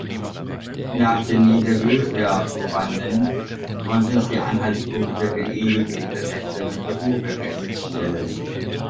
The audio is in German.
Nach den Interviews der Probanden konnten sie Anhaltspunkte für ähnliche Interessen und Berufe feststellen.